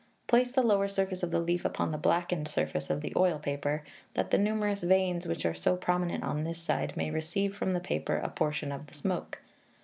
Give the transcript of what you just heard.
Place the lower surface of the leaf upon the blackened surface of the oil paper, that the numerous veins, which are so prominent on this side, may receive from the paper a portion of the smoke.